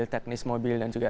teknis mobil dan juga